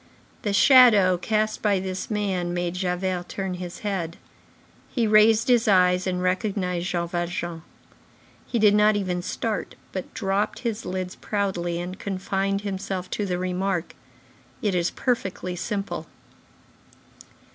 The shadow cast by this man made Javert turn his head. He raised his eyes, and recognized Jean Valjean. He did not even start, but dropped his lids proudly and confined himself to the remark: "It is perfectly simple."